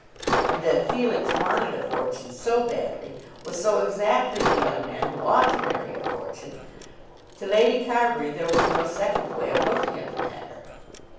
And then Felix wanted a fortune so badly; was so exactly the young man who ought to marry a fortune! To Lady Carbury there was no second way of looking at the matter.